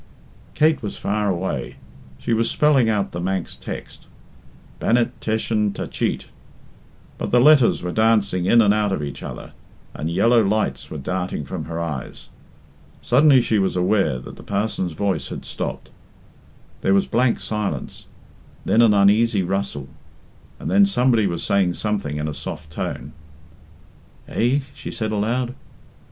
Kate was far away. She was spelling out the Manx text, "Bannet T'eshyn Ta Cheet," but the letters were dancing in and out of each other, and yellow lights were darting from her eyes. Suddenly she was aware that the parson's voice had stopped. There was blank silence, then an uneasy rustle, and then somebody was saying something in a soft tone. "Eh?" she said aloud.